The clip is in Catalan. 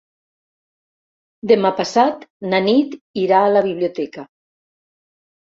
Demà passat na Nit irà a la biblioteca.